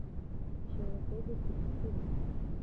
ishobora kuba ifite imitwe ibiri